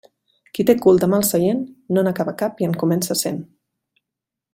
Qui té cul de mal seient, no n'acaba cap i en comença cent.